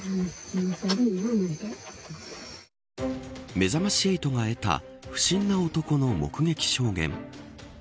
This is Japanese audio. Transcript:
めざまし８が得た不審な男の目撃証言。